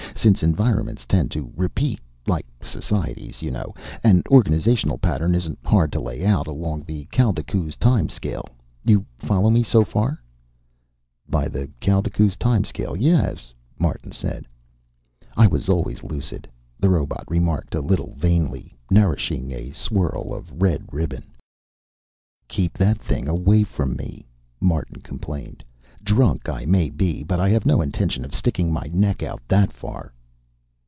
Since environments tend to repeat like societies, you know an organizational pattern isn't hard to lay out, along the Kaldekooz time scale. You follow me so far?" "By the Kaldekooz time scale, yes," Martin said. "I was always lucid," the robot remarked a little vainly, nourishing a swirl of red ribbon. "Keep that thing away from me," Martin complained. "Drunk I may be, but I have no intention of sticking my neck out that far."